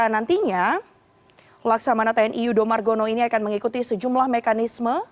nantinya laksamana tni yudo margono ini akan mengikuti sejumlah mekanisme